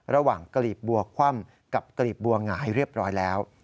กลีบบัวคว่ำกับกลีบบัวหงายเรียบร้อยแล้ว